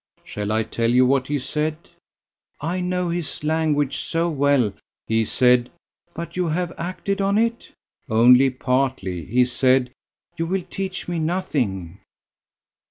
"Shall I tell you what he said?" "I know his language so well." "He said " "But you have acted on it?" "Only partly. He said " "You will teach me nothing."